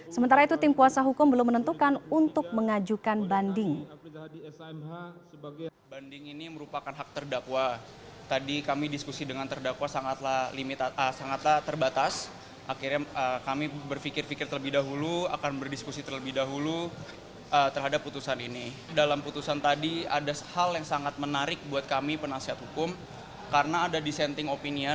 sementara itu tim puasa hukum belum menentukan untuk mengajukan banding